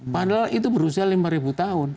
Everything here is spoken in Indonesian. padahal itu berusia lima tahun